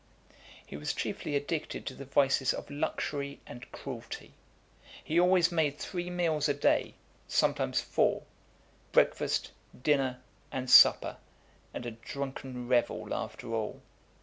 XIII. He was chiefly addicted to the vices of luxury and cruelty. He always made three meals a day, sometimes four: breakfast, dinner, and supper, and a drunken revel after all.